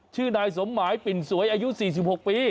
ชื่อนายสมหมายปิ่นสวยอายุ๔๖ปี